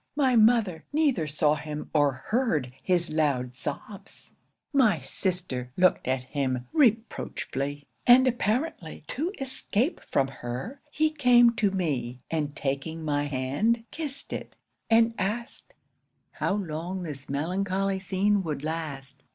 'My mother neither saw him or heard his loud sobs. My sister looked at him reproachfully; and apparently to escape from her, he came to me, and taking my hand, kissed it, and asked how long this melancholy scene would last?